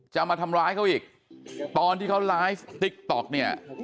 จะมาทำร้ายเขาอีกตอนที่เขาไลฟ์ติ๊กต๊อกเนี่ย